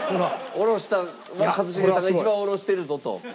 おろした一茂さんが一番おろしてるぞと。